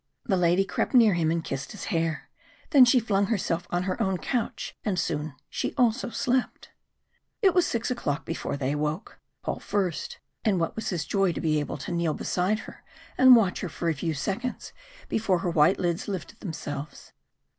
The lady crept near him and kissed his hair. Then she flung herself on her own couch, and soon she also slept. It was six o'clock before they awoke, Paul first and what was his joy to be able to kneel beside her and watch her for a few seconds before her white lids lifted themselves!